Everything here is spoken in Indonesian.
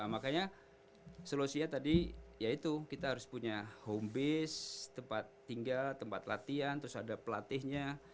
makanya solusinya tadi ya itu kita harus punya home base tempat tinggal tempat latihan terus ada pelatihnya